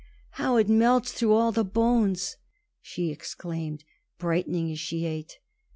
_ how it melts through all the bones!" she exclaimed, brightening as she ate.